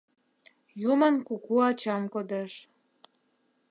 Юмын куку ачам кодеш